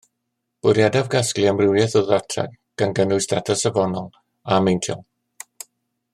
Bwriadaf gasglu amrywiaeth o ddata gan gynnwys data safonol a meintiol